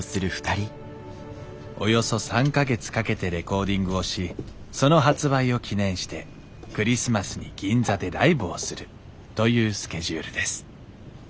およそ３か月かけてレコーディングをしその発売を記念してクリスマスに銀座でライブをするというスケジュールです